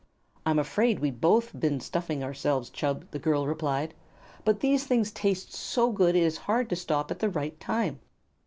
"I'm afraid we've both been stuffing ourselves, Chub," the girl replied. "But these things taste so good it is hard to stop at the right time."